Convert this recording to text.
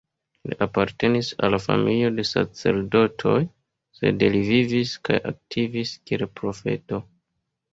Li apartenis al familio de sacerdotoj; sed li vivis kaj aktivis kiel profeto.